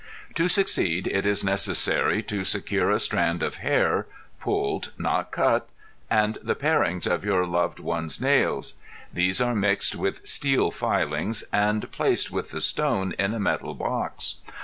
To succeed it is necessary to secure a strand of hair (pulled, not cut) and the parings of your loved one's nails; these are mixed with steel filings and placed with the "stone" in a metal box.